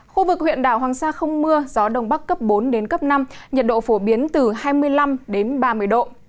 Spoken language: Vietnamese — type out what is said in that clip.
khu vực huyện đảo hoàng sa không mưa gió đông bắc cấp bốn đến cấp năm nhiệt độ phổ biến từ hai mươi năm đến ba mươi độ